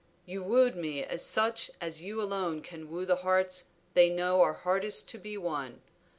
You wooed me as such as you alone can woo the hearts they know are hardest to be won.